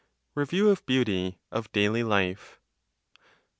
REVIEW OF BEAUTY OF DAILY LIFE.